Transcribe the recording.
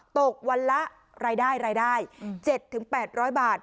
ตกวันละรายได้รายได้เจ็ดถึงแปดร้อยบาท